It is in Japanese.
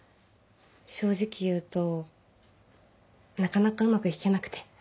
正直言うとなかなかうまく弾けなくて。